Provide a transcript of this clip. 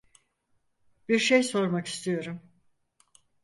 Bir şey sormak istiyorum.